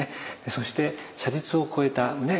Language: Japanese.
そして写実を超えたね